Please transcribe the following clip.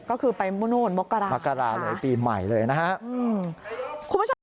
ก็คือไปมกราปีใหม่เลยนะครับ